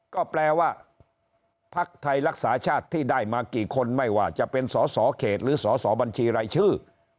ก็แปลว่าพักไทยรักษาชาติที่ได้มากี่คนไม่ว่าจะเป็นสอสอเขตหรือสอสอบัญชีรายชื่อ